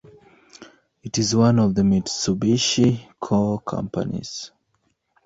It is one of the Mitsubishi core companies.